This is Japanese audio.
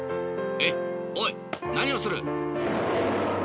えっおいなにをする？